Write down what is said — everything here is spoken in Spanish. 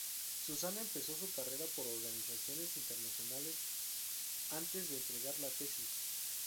Susana empezó su carrera por organizaciones internacionales antes de entregar la tesis.